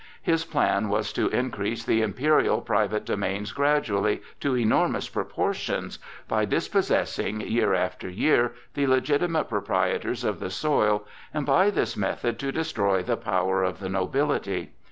His plan was to increase the imperial private domains gradually to enormous proportions by dispossessing year after year the legitimate proprietors of the soil, and by this method to destroy the power of the nobility.